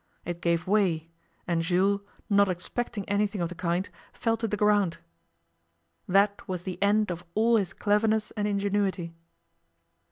It gave way, and Jules, not expecting anything of the kind, fell to the ground. That was the end of all his cleverness and ingenuity.